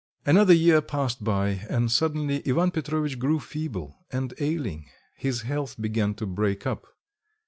Another year passed by, and suddenly Ivan Petrovitch grew feeble, and ailing; his health began to break up.